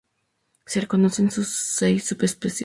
Se reconocen seis subespecies.